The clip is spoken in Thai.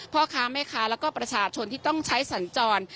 พ่อค้าแม่ค้าแล้วก็ประชาชนที่ต้องใช้สัญจร